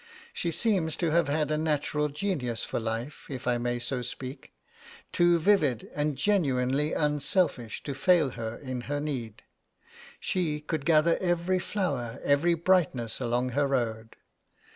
She seems to have had a natural genius for life, if I may so speak; too vivid and genuinely unselfish to fail her in her need. She could gather every flower, every brightness along her road.